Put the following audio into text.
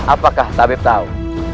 apakah tabib tahu